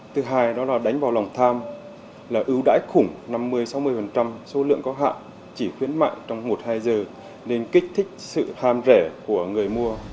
thứ hai đó là đánh vào lòng tham là ưu đãi khủng năm mươi sáu mươi số lượng có hạn chỉ khuyến mại trong một hai giờ nên kích thích sự ham rẻ của người mua